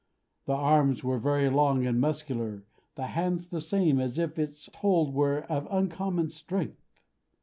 The arms were very long and muscular; the hands the same, as if its hold were of uncommon strength.